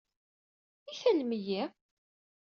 I tallem-iyi?